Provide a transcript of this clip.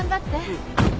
うん。